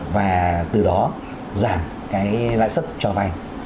và từ đó giảm cái lãi suất cho vay